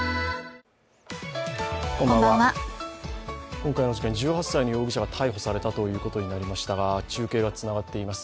今回の事件１８歳の容疑者が逮捕されたということになりましたが中継がつながっています。